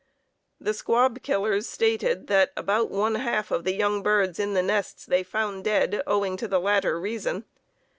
The squab killers stated that "about one half of the young birds in the nests they found dead," owing to the latter reason.